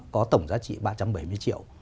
có tổng giá trị ba trăm bảy mươi triệu